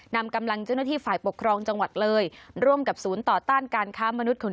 นำกำลังเจ้าหน้าที่ฝ่ายปกครองจังหวัดเลยร่วมกับศูนย์ต่อต้านการค้ามนุษย์